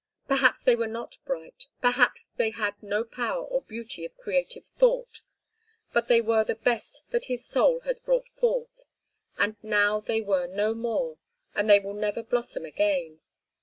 Perhaps they were not bright, perhaps they had no power or beauty of creative thought, but they were the best that his soul had brought forth, and now they were no more and they will never blossom again.